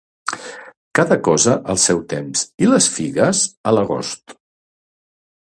Cada cosa al seu temps, i les figues a l'agost.